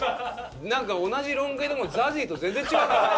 なんか同じロン毛でもＺＡＺＹと全然違うな。